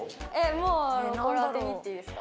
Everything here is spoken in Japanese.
もうこれ当てに行っていいですか？